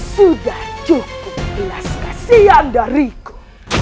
sudah cukup jelas kasihan dariku